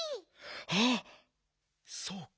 あっそうか。